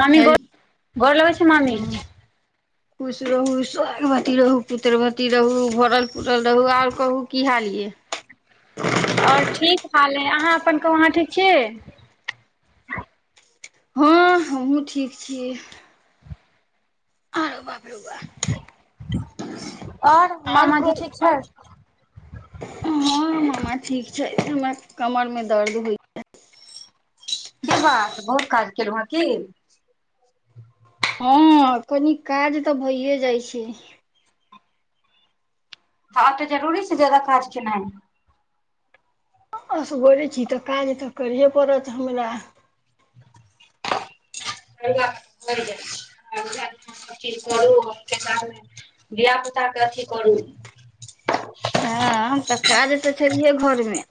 मामी गोर हेलो गोर लगै छी मामी हूँ खुश रहू सोभागवती रहु पुत्र वती रहू भरल पूरल रहू आओर कहू की हाल ये ओर ठीक हाल हइ अहाँ अपन वहाँ ठीक छी हँ हमहुँ ठीक छियै आरौ बापरौ बा ओर आर मामा जी कहू ठीक छैथ हँ मामा ठीक छै हमरा कमरमे दर्द होइ की बात बहुत काज केलहु हँ की हँ कनी काज तऽ भइे जाइ छै आ आब तऽ जरूरी से जयादा काज केनाइ असगरे छी तऽ काज तऽ करे हे पड़त हमरा जा कर [unintelligible] धिया पुता के अथी करू हँ तऽ काज तऽ छैहे घरमे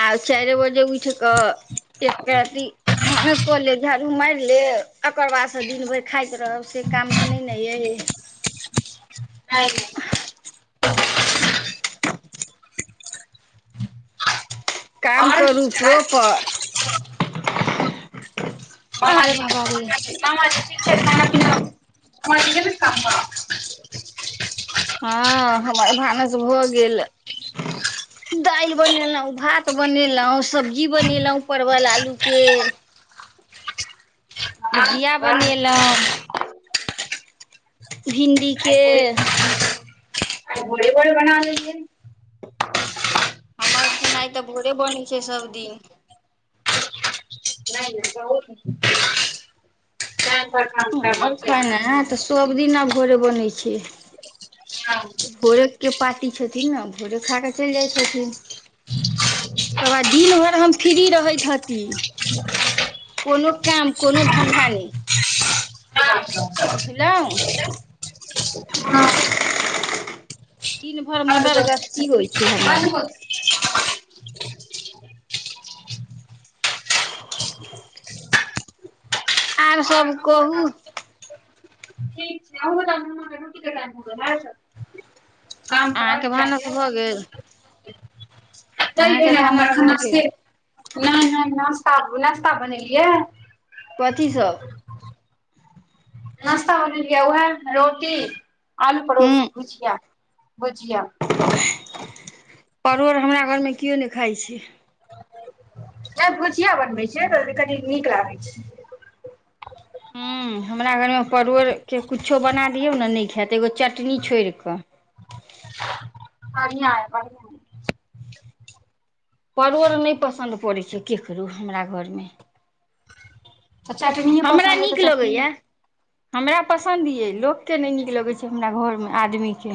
आ चार बजे उठ कऽ चकी [unintelligible] भानस कऽ ले झाड़ू मारि लेब एककर बादसँ दिन भरि खाइत रहब से काम तऽ नहि ने यऽ आत [unintelligible] ह [unintelligible] काम और करू प्रोपर अरे बामी बाबा रे सामी ठीक छै खाना पीना समाम काम [unintelligible] हँ हमर भानस भऽ गेल दालि बनेलहुँ भात बनेलहुँ सब्जी बनेलहुँ परवल आलूके भुजिया आइ बनेलहुॅं भिंडी के भोरे आइ भोरे भोेरे बना लै लिए हमर खेनाइ तऽ भोरे बनैत छै सभदिन नहि नहि जाउ [unintelligible] ब [unintelligible] म खाना पीना [unintelligible] तो सब दिना भोरे बनै छै भोरे के पाटी छथिन ने भोरे खा कऽ चलि जाइ छथिन ओकर बाद दिन भरि हम फ्री रहैत हती [unintelligible] कोनो काम कोनो धन्धा नहि बुझलहु हँ दिन भरि मटर गस्ती होइ छै हमर आर सब अहूँ के कहू तऽ ठीक छै अहाँके भानस भऽ [unintelligible] गेल [unintelligible] नहि अहाँके भानस नहि भऽ गेल नास्ता नास्ता बनेलियै। कथी सभ? नाश्ता बनेलिए उएह रोटी आलू परवल हूँ भुजिया भुजिया। परोड़ हमरा घरमे केओ नहि खाइ छैय। नही भुजिया बनबै छियै तऽ कनी नीक लागैत छैय। हूँ हमरा घरमे परोड़के किछो बना दिऔ ने नहि खायत एगो चटनी छोड़िकऽ। [unintelligible] बढ़िआ अय बढियऽ परोर नहि पसन्द पड़ैत छैय केकरो हमरा घरमे। तऽ चटनी हमरा नीक लगैया। हमरा पसन्द यइ लोककेँ नहि नीक लगैत छैय हमरा घरमे आदमीके।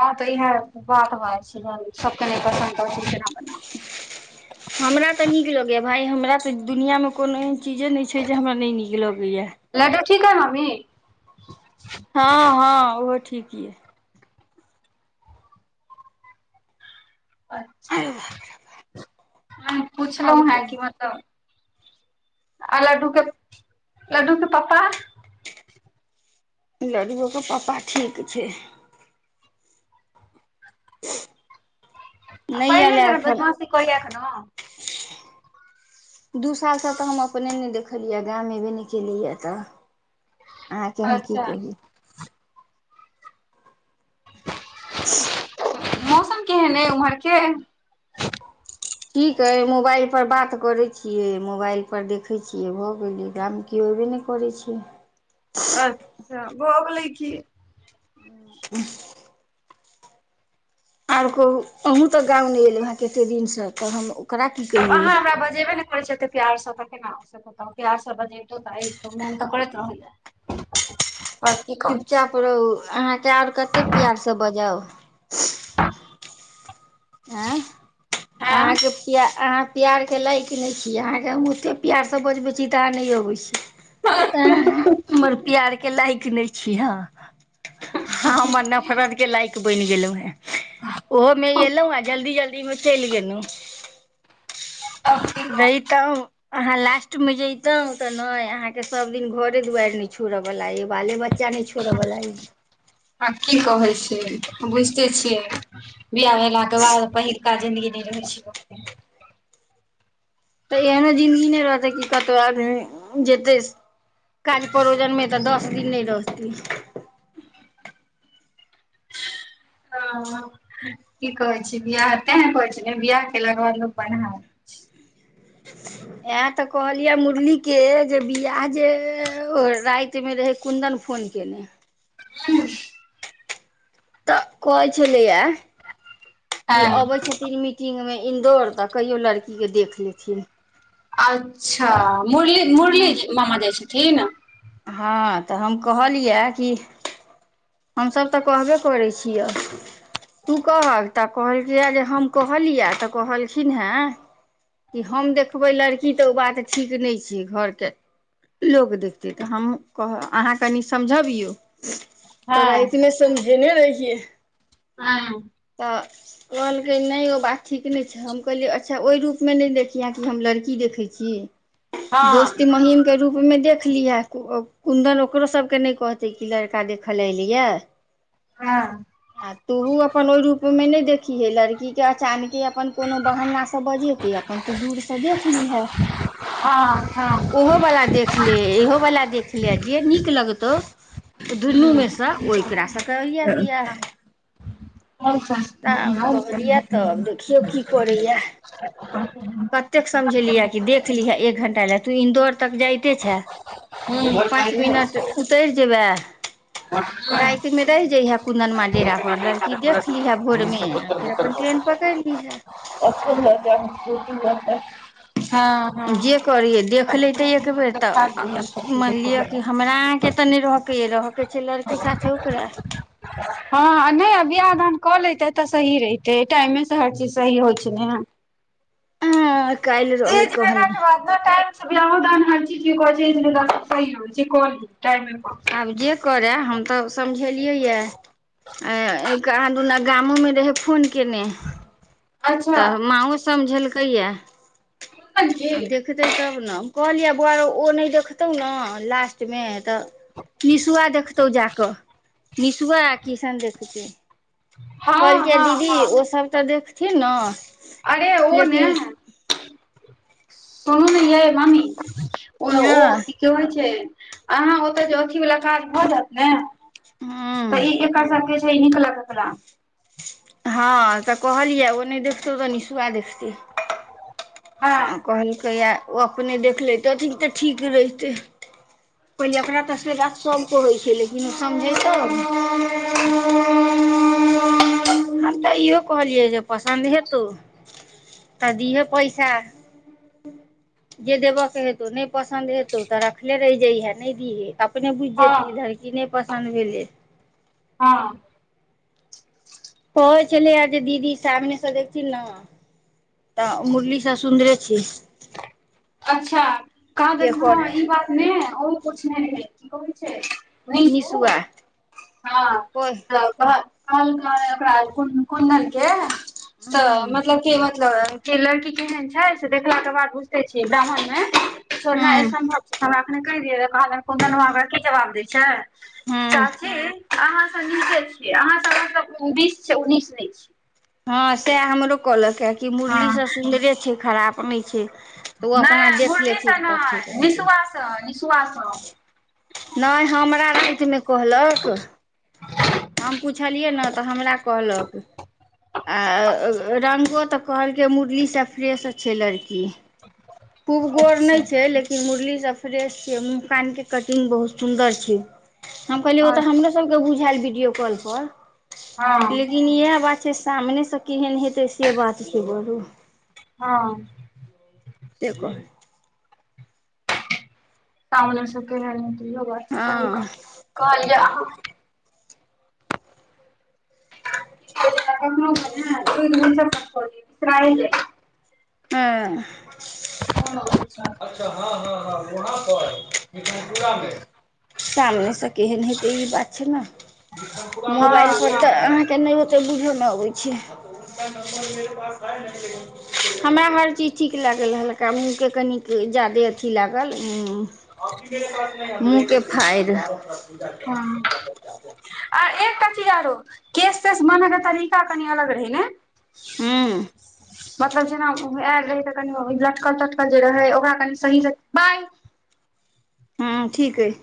हँ तऽ इहे बात भऽ जाय छै सबके नहि पसन्द परे छैय। [inaudible] हमरा तऽ नीक लगैए भाय हमरा तऽ दुनिआँमे कोनो एहन चीजे नहि छैय जे हमरा नहि नीक लगैए। लड्डू ठीक हव मम्मी? हँ हँ ओहो ठीक ये। अचछा हम आओर पुछलहु हेँ कि कहू मतलब आ लड्डू के लड्डू के पापा लड्डू ओ के पापा ठीक छैय। [unintelligible] पहिले आयल जेना एखन बदमासी करैया अखनो? दू सालसँ तऽ हम अपने नहि देखलियै गाम अयबे नहि केलैए तऽ। अहाँके हम की अच्छा कहु। [unintelligible] मौसम केहन हइ उम्हर के? ठीक अइ मोबाइलपर बात करैत छियै मोबाइल परर देखैत छियै भऽ गेलियै दाम की। केओ ऐबे नहि करै छैय। अच्छा भऽ गेलै की। ह आओर कहू अहु तऽ गाम नहि एलहुँ हेँ कतेक दिनसँ तऽ हम ओकरा की ब कहियै अहाँ हमरा बजेबै ने करय छी त प्यार सब तऽ केना प्यार बजतो तऽ ए मोन तऽ करैत रहलय। अच चुपचाप रहु अहाँके आऔर कते प्यार से बजाउ? आ आँय अहाँके पिया अहाँ पिआरके लायइक नहि छी अहाँके हम ओतेक पिआरसँ बजबै छी तऽ अहाॅं नहि अबै छी। तऽ हमर पिआार के लाइक नहि छी हॅं हमर नफरत के लाइक बनि गेलव हेऽ। ओहोमे एलहुँ जल्दी जल्दी मे चल गेलहु। आब की कहू वही तऽ अहाँ लास्ट में जतौं तऽ ने अहाँ के सब दिन घरे दुआरि न छोड़यवला य बाले बच्चा बचा नहि छोड़ऽ वला या। ह की कहे छै बुझिते छियै बिआाह भेला के बाद पहि का जीनगि नै रहै छैय। तऽ एहनो जिन्दगी नहि रहतै कि कतहु आदमी जेतै काज परोजनमे तऽ दस दिन नहि रहतय। ह की कहै छी बियाह तें नै कहै छी बियाह केलाके बाद लोक बनहा इहे त कहलिये मुरली के जे बियाह जे राति में रहे कुंन्दन फोन कैने तऽ कहै छेलैया कि हँ अबै छथिन मी टिंगमे इन्दौर तऽ कहियो लड़कीके देख लेथिन अच्छा मुरली मुरली तऽ मामा जाइ छथिन हँ तऽ हम कहलियै कि हमसभ तऽ कहबे करै छिय‍‍ तू कहक तऽ कहलकए जे हम कहलियै तऽ कहलखिन हें कि हम देखबै लड़की तऽ ओ बात ठीक नहि छियै घर के लोग देखतै अहाँ कनि समझबियौ तऽ हँ राति मे समझेने रहियए हँ तऽ कहलकै नहि ओ बात ठीक नहि छै हम कहलियै अच्छा ओहि रूप मे नहि देखिहें कि हम लड़की देखैछी हँ दोस्ती महीम के रूपमे देख लिये कुन्दन ओकरो सभके नहि कहतै कि लड़का देख ले एयलै यए हँ आ तूहु अप अपन ओहि रूप मे नहि देखीेहै लड़की के अचानके अपन कोनो बहन्ना से बजेतै अपन तू दूर सँ देख लिहे हँ हँ ओहो बला देख ले इहो बला देख ले आ जे नीक लगतौ तऽ दुनूमे सँ ओ एकरा सँ करिहे बियाह तऽ कहलियै तब देखियौ की करैये कतेक समझलियै कि देख लीहे एक घंटा लए तू इन्दौर तक जाइते छे पाँच मिनट उतरि जेबै राति मे रहि जैहे कुन्दनमा डेरा पर लड़की देख लीहे भोरमे फिर अपन ट्रेन पकड़ि लिहे अचन जाै ब [unintelligible] जे करियै देख लैते एक बेर तऽ हँ मानि लिअ कि हमरा अहाँके तऽ नहि रहऽके अय रहऽके छै लड़की साथे ओकरा हँ नहि बियाह दान कऽ लेते तऽ सही रहिते टाइमे से हर चीज सही होइ छै ने हँ काल्हि रहै एज भेला कहनी के बाद ने बियाहो दिन हर चीज के कहै छै सही होइ छै क लिय टाइमे पर आब जे करय हम तऽ समझेलियै यए कहाँ दुना गामोमे रहै फोन कयने अच्छा तऽ माँओ समझेलकैये सुनलही आब देख देखतै तब ने कहलियै बौआरौ ओ नहि देखतौ न लास्ट मे तऽ निशुआ देखतौ जा कऽ निशुआ आ किशन देखतै हँ कहलकैये हँ दीदी हँ ओ सब तऽ देखथिन ने अरे ओ ने लेकिन सुनू ने यै मामी ओ हँ ओ की होैइ छै अहाँ ओतऽ जे अथी वाला काज भऽ जायत ने तऽ हँ ई एकर सबके छै हिकलल एकरा हँ तऽ कहलियै ओ नहि देखतौ तऽ निसुुआ देखतै हँ आ कहलकैए ओ अपने देख लैतथिन तऽ ठीक रहितै [inaudible] पहिले एकरा तऽ से बात सब कहै छै लेकिन ओ समझेै तब [inaudible] हम तऽ इहो कहलियै जे पसन्द हेतौ तऽ दिहे पैसा अच्छा जे देबयके हेतौ नहि पसन्द हेतौ तऽ रखले रहि जैहे नहि दीहे तऽ अपने बुझि जेतै धड़की नहि पसन्द भेलै हँ कह छलै आ जे दीदी सामनेसँ देख छल ने। तऽ मुरली सँ सुन्दरे छी अच्छा, कह जे गेल हँ करै ई बात नहि, आओर किछु नहि हे की कहै छै? नहि तू निसुआ हँ कोइ तऽ कह कलक कोन नलके तऽ हूँ मतलब क [unintelligible] लड़कि केहन छै से देखलाक के बाद बु ब्राह्मणमे छोना हूँ एहन भाव छै हमरा अखने। क दियन कुदन व हमरा की जवाब दै छै। हूँ चाची अहाँ सभ नीके छियै, अहाँ सभ मतलब उन्नीस छियै, उन्नीस ने छियै? हँ सह हमरो कहलक कि मुरली हँ सभ सुन्दरे छै। खराप नहि छै। तऽ ओ अपना नहि देख मुरलीसँ लेथिन तऽ ठीक नहि रहतै निशुआ से निसुआ [inaudible] नहि हमरा रातिमे कहलक हम पुछलियै ने तऽ हमरा कहलक। आ रंगो तऽ कहलकै, मुरलीसँ फ्रेश छै लड़की। खूब गोर अच्छा नहि छै लेकिन मुरली सभ फ्रेश छी मुह कान के कटिंग बहुत सुंदर छै। हम कहलि ओता अच्छा हमरो सभके बुझायल वीडियो कॉल पर हँ लेकिन इएह बात सामने से केहन हेतै से बात छै। बोलू हँ त कह समने से केहन हेते हँ [unintelligible] कहलिए आहा [inaudible] तू दसराल [unintelligible] ह ह अच्छा हँ हँ हँ, वहाँ पर मिथनपुरामे। सामने से केहन हेतै ई बात छै। ने हँ मोबाइल पर हँ तऽ के नहि ओते बुझो नहि अबैत छै। हमरा हर चीज ठीक लागल रहलका मूँहके कनि जादे अथी लागल मूँहके फाड़। [unintelligible] आ एकटा की आरो केस तस मने तरिका कनी अलग रहै नै हूँ मतलब जेना आयल रहै तऽ कनि लटकल तटकल जे रहै ओकरा कनि सहीसँ बाइ हँ ठीक हइ